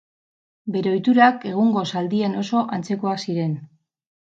Bere ohiturak egungo zaldien oso antzekoak ziren.